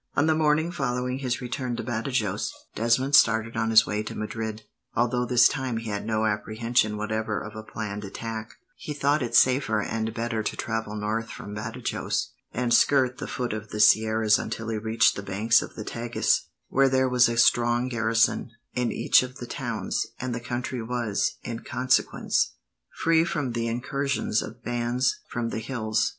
On the morning following his return to Badajos, Desmond started on his way to Madrid. Although this time he had no apprehension whatever of a planned attack, he thought it safer and better to travel north from Badajos, and skirt the foot of the sierras until he reached the banks of the Tagus, where there was a strong garrison in each of the towns, and the country was, in consequence, free from the incursions of bands from the hills.